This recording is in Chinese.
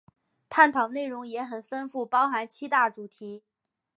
探讨内容也很丰富，包含七大主题